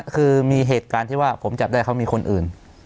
คือมีเหตุการณ์ที่ว่าผมจับได้เขามีคนอื่น